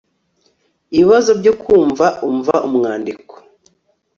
ibibazo byo kumva umva umwandiko